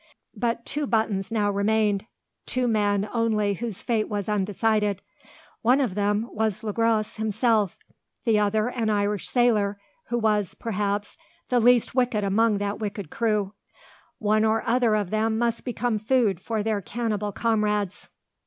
But two buttons now remained, two men only whose fate was undecided. One of them was Le Gros himself, the other, an Irish sailor, who was, perhaps, the least wicked among that wicked crew. One or other of them must become food for their cannibal comrades!